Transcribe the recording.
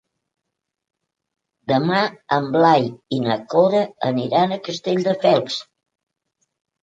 Demà en Blai i na Cora aniran a Castelldefels.